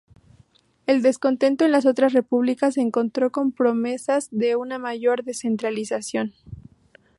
El descontento en las otras repúblicas se encontró con promesas de una mayor descentralización.